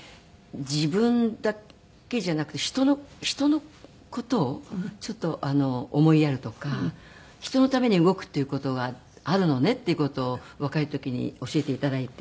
自分だけじゃなくて人の事をちょっと思いやるとか人のために動くっていう事があるのねっていう事を若い時に教えて頂いて。